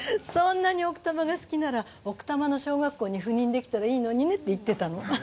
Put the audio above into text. そんなに奥多摩が好きなら奥多摩の小学校に赴任できたらいいのにねって言ってたの。